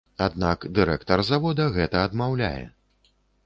Аднак дырэктар завода гэта адмаўляе.